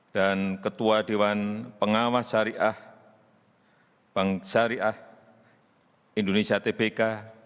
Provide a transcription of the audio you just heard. dan ketua dewan pengawas bank syariah indonesia tbk